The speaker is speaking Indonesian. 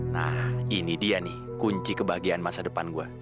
nah ini dia nih kunci kebahagiaan masa depan gue